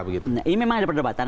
ini memang ada perdebatan